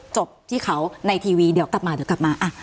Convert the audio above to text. จบที่เขาในทีวีเดี๋ยวกัดกลับมา